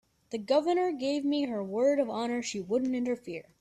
The Governor gave me her word of honor she wouldn't interfere.